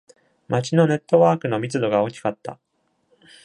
町のネットワークの密度が大きかった。